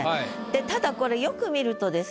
でただこれよく見るとですね